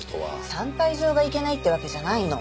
産廃場がいけないってわけじゃないの。